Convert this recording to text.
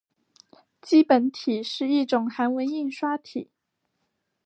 基本体是一种韩文印刷体。